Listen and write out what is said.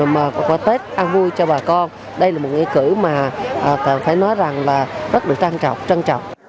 mà qua tết ăn vui cho bà con đây là một nghị cử mà phải nói rằng là rất được trân trọng